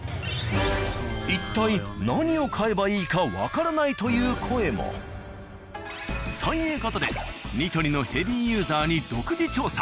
一体何を買えばいいかわからないという声も。という事で「ニトリ」のヘビーユーザーに独自調査。